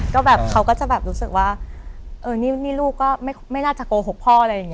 ก็แบบเขาก็จะแบบรู้สึกว่าเออนี่ลูกก็ไม่น่าจะโกหกพ่ออะไรอย่างนี้